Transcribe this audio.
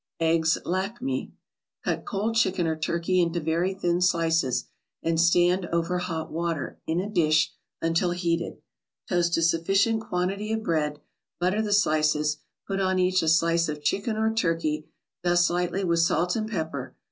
EGGS LAKME Cut cold chicken or turkey into very thin slices, and stand over hot water, in a dish, until heated; toast a sufficient quantity of bread, butter the slices, put on each a slice of chicken or turkey, dust lightly with salt and pepper.